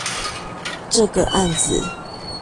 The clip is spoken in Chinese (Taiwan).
這個案子